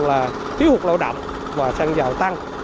là thiếu hụt lợi động và xăng dầu tăng